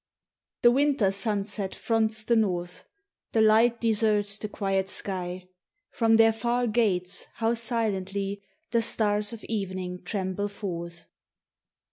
The winter sunset fronts the North. The light deserts the quiet sky. From their far gates how silently The stars of evening tremble forth!